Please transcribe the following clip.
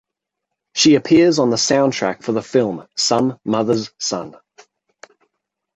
She appears on the soundtrack for the film "Some Mother's Son".